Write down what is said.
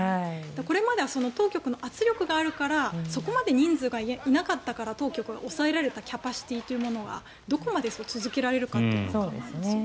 これまでは当局の圧力があるからそこまで人数がいなかったから当局が抑えられたキャパシティーというのはどこまで続けられるかというのは。